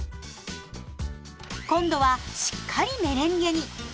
今度はしっかりメレンゲに。